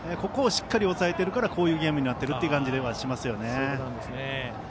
ここをしっかり抑えているからこういうゲームになっている感じはしますよね。